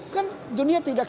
kan dunia tidak